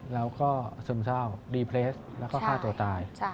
แล้วก็ซึมเศร้ารีเพลสแล้วก็ฆ่าตัวตาย